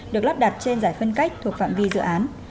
được lắp đặt trên giải phân cách thuộc phạm vi dự án